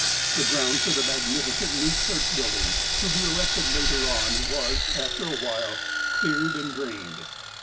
The ground for the magnificent new church building, to be erected later on, was, after a while, cleared and drained.